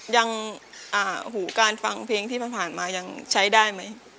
หูการฟังเพลงที่ผ่านมายังใช้ได้ไหม